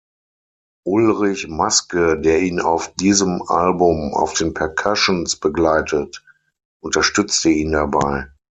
Ulrich Maske, der ihn auf diesem Album auf den Percussions begleitet, unterstützte ihn dabei.